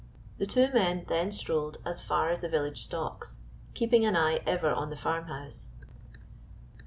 The two men then strolled as far as the village stocks, keeping an eye ever on the farm house.